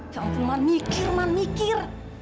ya ampun man mikir man mikir